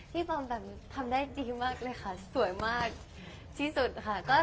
พี่พอมแปบทำได้ดีมากเลยค่ะสวยมากที่สุดค่ะ